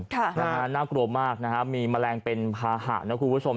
ค่ะนะฮะน่ากลัวมากนะฮะมีแมลงเป็นภาหะนะคุณผู้ชม